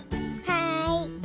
はい。